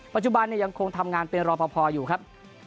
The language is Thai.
ปัจจุบันยังคงทำงานเป็นรอปภอยู่ครับ